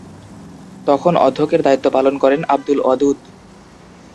তখন অধ্যক্ষের দায়িত্ব পালন করেন আঃ ওয়াদুদ।